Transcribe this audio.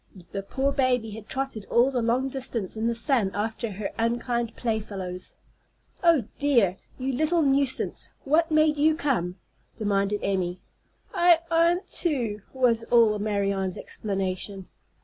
The poor baby had trotted all the long distance in the sun after her unkind playfellows. "Oh, dear! You little nuisance! What made you come?" demanded Emmy. "I 'ant to," was all Marianne's explanation.